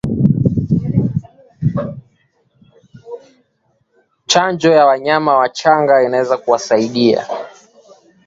Chanjo kwa wanyama wachanga inaweza kusaidia